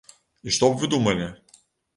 І што б вы думалі?